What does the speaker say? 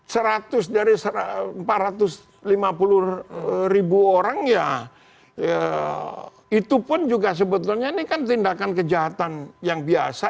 seratus dari empat ratus lima puluh ribu orang ya itu pun juga sebetulnya ini kan tindakan kejahatan yang biasa